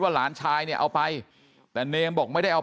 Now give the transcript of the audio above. ไปรับศพของเนมมาตั้งบำเพ็ญกุศลที่วัดสิงคูยางอเภอโคกสำโรงนะครับ